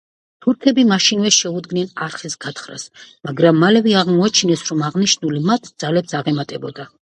თურქები მაშინვე შეუდგნენ არხის გათხრას, მაგრამ მალევე აღმოაჩინეს რომ აღნიშნული მათ ძალებს აღემატებოდა.